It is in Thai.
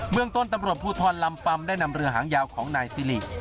เมืองต้นตำรวจภูทรลำปัมได้นำเรือหางยาวของนายสิริ